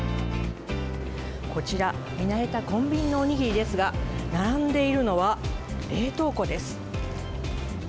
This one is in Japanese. こちら、見慣れたコンビニのおにぎりですが、並んでいるのは、冷凍庫です。